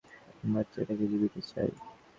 আমি বাচ্চাটাকে জীবিত চাই।